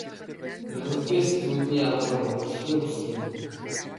Манифест зүүдний агуулга нь ухамсаргүйн хүсэл юм.